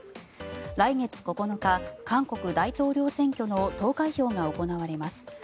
来月９日、韓国大統領選挙の投開票が行われます。